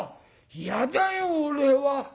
嫌だよ俺は。